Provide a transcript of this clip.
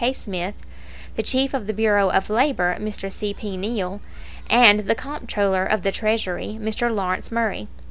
K. Smith, the Chief of the Bureau of Labor, Mr. C. P. Neill, and the Comptroller of the Treasury, Mr. Lawrence Murray.